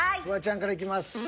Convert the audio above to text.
フワちゃんからいきます。